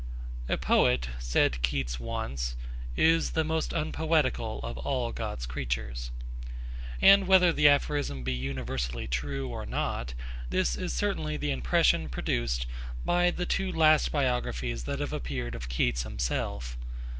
A poet, said Keats once, 'is the most unpoetical of all God's creatures,' and whether the aphorism be universally true or not, this is certainly the impression produced by the two last biographies that have appeared of Keats himself.